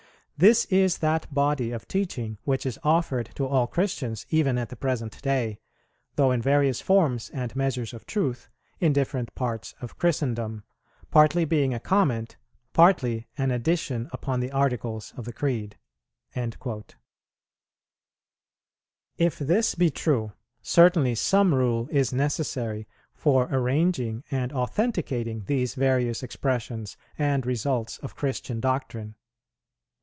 This is that body of teaching which is offered to all Christians even at the present day, though in various forms and measures of truth, in different parts of Christendom, partly being a comment, partly an addition upon the articles of the Creed."[77:1] If this be true, certainly some rule is necessary for arranging and authenticating these various expressions and results of Christian doctrine.